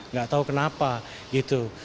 gak tahu kenapa gitu